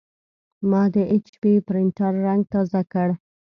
ما د ایچ پي پرنټر رنګ تازه کړ.